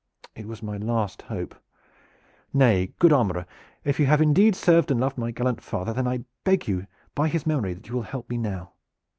"It was my last hope. Nay, good armorer, if you have indeed served and loved my gallant father, then I beg you by his memory that you will help me now."